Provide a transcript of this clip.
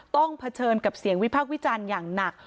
ต้องเผชิญกับเสียงวิพักวิจันทร์อย่างหนัก